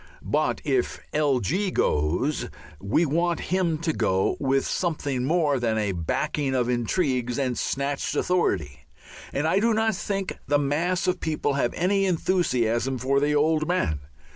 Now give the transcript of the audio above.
But if "L. G." goes we want him to go with something more than a backing of intrigues and snatched authority. And I do not think the mass of people have any enthusiasm for the Old Man.